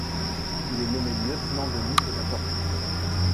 Il est nommé lieutenant de l'île de la Tortue.